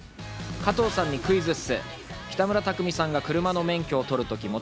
加藤さんにクイズッス。